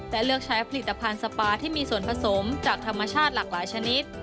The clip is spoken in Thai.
และเลือกใช้ผลิตภัณฑ์สปาที่มีส่วนผสมจากธรรมชาติหลากหลายชนิด